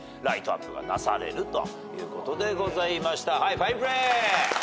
ファインプレー。